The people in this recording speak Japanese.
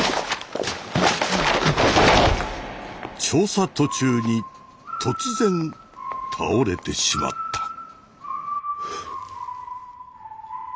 調査途中に突然倒れてしまった。